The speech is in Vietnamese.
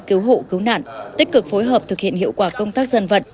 cứu hộ cứu nạn tích cực phối hợp thực hiện hiệu quả công tác dân vật